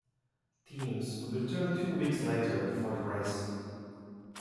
Teams would return two weeks later for the race.